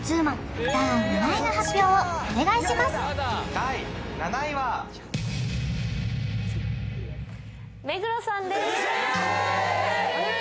第７位は目黒さんですえーっ！？